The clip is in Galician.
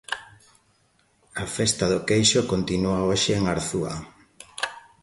A festa do Queixo continúa hoxe en Arzúa.